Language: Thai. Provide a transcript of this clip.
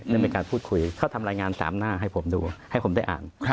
ได้มีการพูดคุยเขาทำรายงาน๓หน้าให้ผมดูให้ผมได้อ่าน